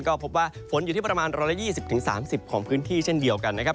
ก็พบว่าฝนอยู่ที่ประมาณ๑๒๐๓๐ของพื้นที่เช่นเดียวกันนะครับ